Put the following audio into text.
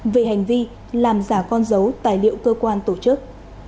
về hành vi làm giả con dấu tài liệu cơ quan tổ chức